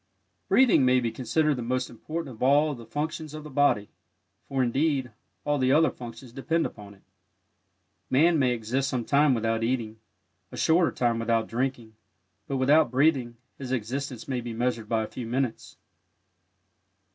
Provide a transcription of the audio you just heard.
Breathing may be considered the most important of all of the functions of the body, for, indeed, all the other functions depend upon it. Man may exist some time without eating; a shorter time without drinking; but without breathing his existence may be measured by a few minutes.